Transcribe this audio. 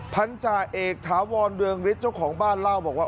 พันธาเอกถาวรเรืองฤทธิ์เจ้าของบ้านเล่าบอกว่า